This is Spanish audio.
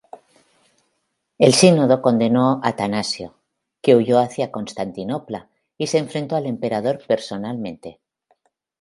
El sínodo condenó Atanasio, que huyó hacia Constantinopla y se enfrentó el emperador personalmente.